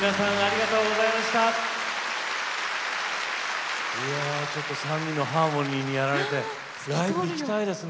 いやちょっと３人のハーモニーにやられてライブ行きたいですね。